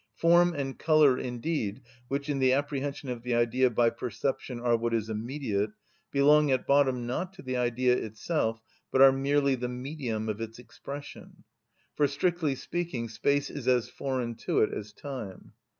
Form and colour, indeed, which in the apprehension of the Idea by perception are what is immediate, belong at bottom not to the Idea itself, but are merely the medium of its expression; for, strictly speaking, space is as foreign to it as time.